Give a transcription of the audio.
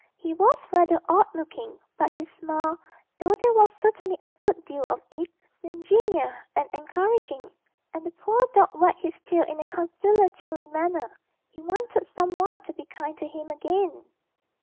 He was rather odd looking, but his smile, though there was certainly a good deal of it, seemed genial and encouraging, and the poor dog wagged his tail in a conciliatory manner he wanted some one to be kind to him again.